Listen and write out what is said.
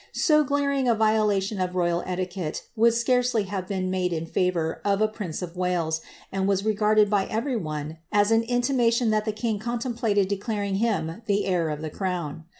So glaring a violation of royal etiquette would scarcely have been made in &vour of a prince of Wales, and was regarded by every one as an intimation that the king contemplated declaring him the heir of the crown.